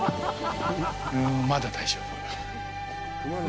うん、まだ大丈夫。